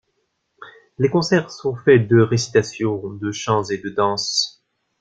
Les concerts sont faits de récitations, de chants et de danses.